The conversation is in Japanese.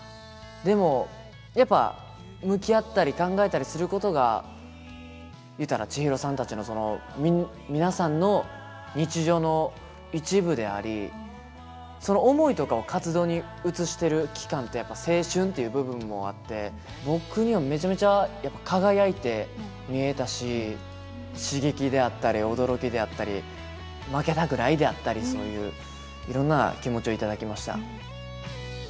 でもやっぱ向き合ったり考えたりすることが言うたら千尋さんたちのその皆さんの日常の一部でありその思いとかを活動に移してる期間ってやっぱ青春っていう部分もあって僕にはめちゃめちゃ輝いて見えたし刺激であったり驚きであったり負けたくないであったりそういういろんな気持ちを頂きました。